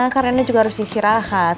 karena ini juga harus di istirahat